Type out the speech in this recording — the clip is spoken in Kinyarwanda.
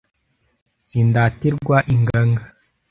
Sindatirwa inganga